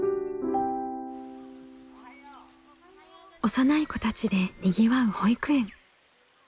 幼い子たちでにぎわう保育園。